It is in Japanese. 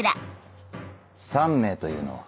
３名というのは？